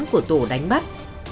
của tổ đánh bắt